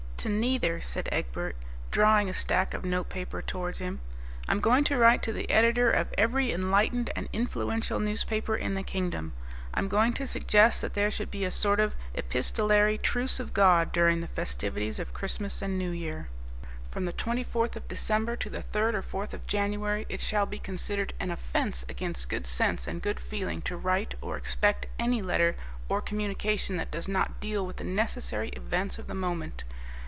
"To neither," said Egbert, drawing a stack of notepaper towards him; "I'm going to write to the editor of every enlightened and influential newspaper in the Kingdom, I'm going to suggest that there should be a sort of epistolary Truce of God during the festivities of Christmas and New Year. From the twenty fourth of December to the third or fourth of January it shall be considered an offence against good sense and good feeling to write or expect any letter or communication that does not deal with the necessary events of the moment.